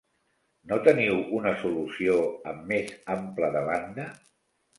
No teniu una solució amb més ample de banda?